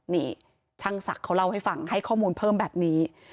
นี่ช่างศักดิ์เขาเล่าให้ฟังให้ข้อมูลเพิ่มแบบนี้